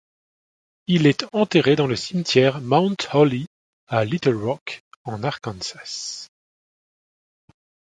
Il est enterré dans le cimetière Mount Holly, à Little Rock, en Arkansas.